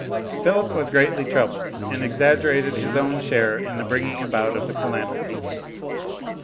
Philip was greatly troubled, and exaggerated his own share in the bringing about of the calamity.